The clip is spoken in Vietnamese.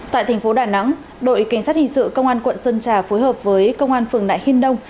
tại thành phố đà nẵng đội cảnh sát hình sự công an quận sơn trà phối hợp với công an phường nại hiên đông